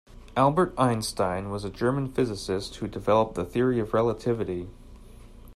Albert Einstein was a German physicist who developed the Theory of Relativity.